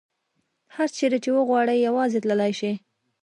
هر چیرې چې وغواړي یوازې تللې شي.